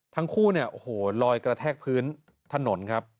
ทั้งคู่เนี่ยโอ้โหลอยกระแทกพื้นถนนครับ